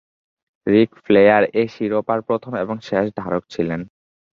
রিক Flair এই শিরোপার প্রথম এবং শেষ ধারক ছিলেন।